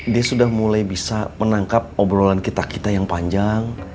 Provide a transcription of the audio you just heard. dia sudah mulai bisa menangkap obrolan kita kita yang panjang